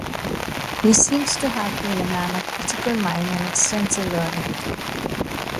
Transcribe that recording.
He seems to have been a man of critical mind and extensive learning.